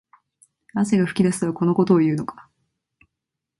汗が噴き出すとはこのことを言うのか